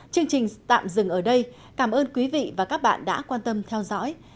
chương trình tạm dừng ở đây cảm ơn quý vị và các bạn đã quan tâm theo dõi